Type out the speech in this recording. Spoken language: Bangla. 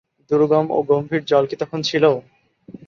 দুর্গম ও গম্ভীর জল কি তখন ছিল?